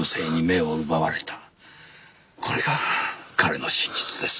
これが彼の真実です。